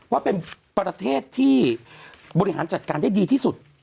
ว่าเป็นประเทศที่บริหารจัดการได้ดีที่สุด